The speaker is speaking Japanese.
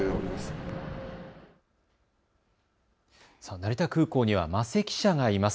成田空港には間瀬記者がいます。